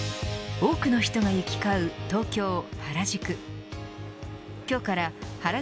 多くの人が行き交う東京、原宿。